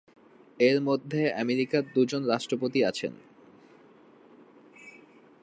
এর মধ্যে আমেরিকার দুজন রাষ্ট্রপতি আছেন।